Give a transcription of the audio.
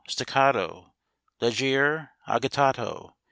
Staccato! Leggier agitato!